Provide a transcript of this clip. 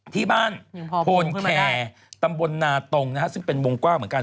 ที่บ้านโพนแคร์ตำบลนาตรงนะฮะซึ่งเป็นวงกว้างเหมือนกัน